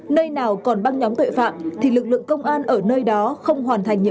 nơi nào còn băng nhóm tội phạm thì lực lượng công an ở nơi đó không hoàn thành